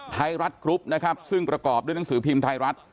ไทยรัฐกรุ๊ปนะครับซึ่งประกอบด้วยหนังสือพิมพ์ไทยรัฐ